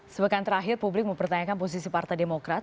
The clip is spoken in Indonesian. sebekan terakhir publik mempertanyakan posisi partai demokrat